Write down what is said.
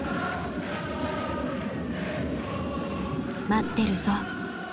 「待ってるぞ」